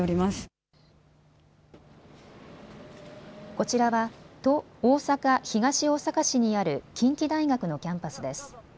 こちらは大阪東大阪市にある近畿大学のキャンパスです。